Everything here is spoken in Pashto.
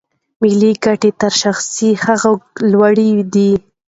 ملي ګټې تر شخصي هغو لوړې دي.